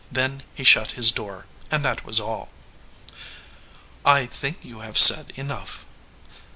Then he shut his door, and that was all." "I think you have said enough."